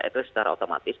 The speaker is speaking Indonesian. itu secara otomatis